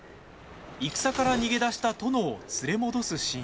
戦から逃げ出した殿を連れ戻すシーン。